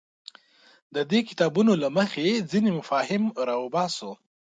د دې کتابونو له مخې ځینې مفاهیم راوباسو.